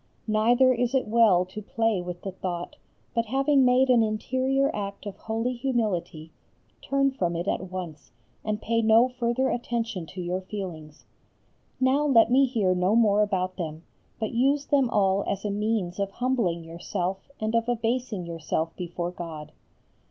Neither is it well to play with the thought, but having made an interior act of holy humility, turn from it at once and pay no further attention to your feelings. Now let me hear no more about them, but use them all as a means of humbling yourself and of abasing yourself before God.